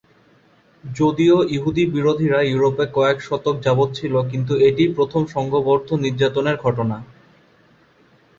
যদিও ইহুদী বিরোধীরা ইউরোপে কয়েক শতক যাবৎ ছিল, কিন্তু এটিই প্রথম সংঘবদ্ধ নির্যাতনের ঘটনা।